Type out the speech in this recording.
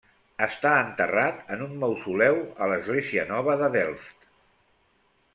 Està enterrat en un mausoleu a l'església nova de Delft.